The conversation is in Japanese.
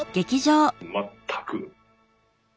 全く。